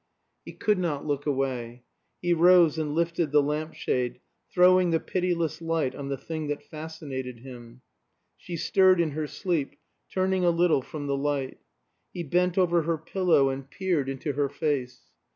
He could not look away. He rose and lifted the lamp shade, throwing the pitiless light on the thing that fascinated him. She stirred in her sleep, turning a little from the light. He bent over her pillow and peered into her face.